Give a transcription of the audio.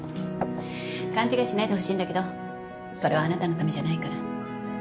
勘違いしないでほしいんだけどこれはあなたのためじゃないから。